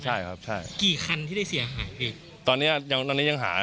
ใช่ครับใช่กี่คันที่ได้เสียหายพี่ตอนเนี้ยยังตอนนี้ยังหา